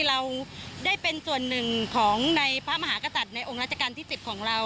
เราได้เป็นส่วนหนึ่งของในพระมหากษัตริย์ในองค์ราชการที่๑๐ของเรา